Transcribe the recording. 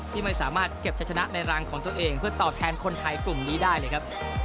ที่ไม่สามารถเก็บชะชนะในรังของตัวเองเพื่อตอบแทนคนไทยกลุ่มนี้ได้เลยครับ